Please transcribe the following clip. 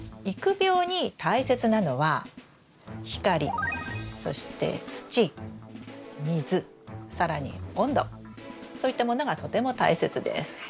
育苗に大切なのは光そして土水更に温度そういったものがとても大切です。